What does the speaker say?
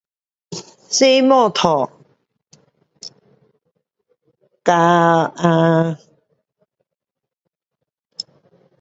做摩托跟啊